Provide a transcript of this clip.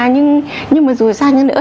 nhưng mà dù sao như nữa